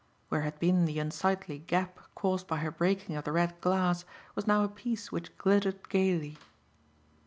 Where had been the unsightly gap caused by her breaking of the red glass was now a piece which glittered gaily.